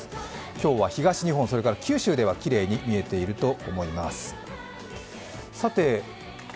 今日は東日本、九州ではきれいに見えていると思います。